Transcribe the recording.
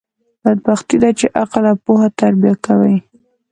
بدبختي ده، چي عقل او پوهه تربیه کوي.